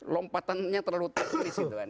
lompatannya terlalu teplis gitu kan